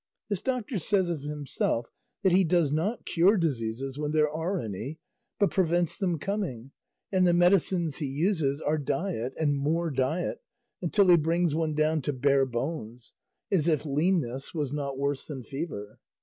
This doctor says of himself that he does not cure diseases when there are any, but prevents them coming, and the medicines he uses are diet and more diet until he brings one down to bare bones; as if leanness was not worse than fever.